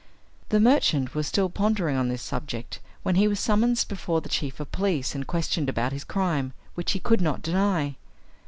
The merchant was still pondering on this subject when he was summoned before the chief of police and questioned about his crime, which he could not deny.